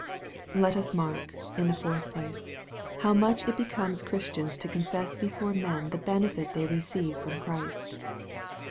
Let us mark, in the fourth place, how much it becomes Christians to confess before men the benefit they receive from Christ.